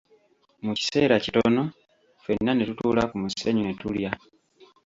Mu kiseera kitono fenna ne tutuula ku musenyu ne tulya.